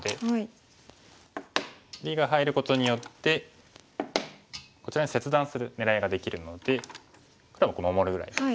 切りが入ることによってこちらに切断する狙いができるので黒は守るぐらいです。